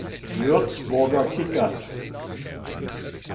Würzburger Kickers